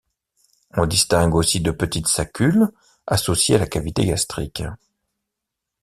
On distingue aussi de petites saccules associées à la cavité gastrique.